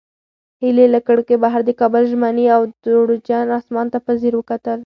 هیلې له کړکۍ بهر د کابل ژمني او دوړجن اسمان ته په ځیر وکتل.